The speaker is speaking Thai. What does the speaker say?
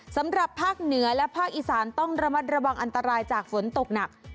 สำหรับภาคเหนือและภาคอีสานต้องระมัดระวังอันตรายจากฝนตกหนัก